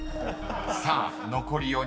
［さあ残り４人。